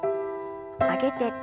上げて。